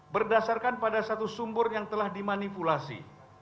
berdasarkan pada satu sumber yang telah dimanipulasi